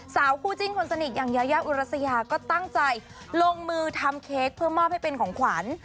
สาวคู่จิ้นคนสนิทอย่างยายาอุรัสยาก็ตั้งใจลงมือทำเค้กเพื่อมอบให้เป็นของขวัญ